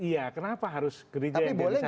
iya kenapa harus gereja yang dari saat sekarang